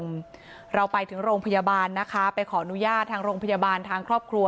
เราไปถึงโรงพยาบาลนะคะไปขออนุญาตทางโรงพยาบาลทางครอบครัว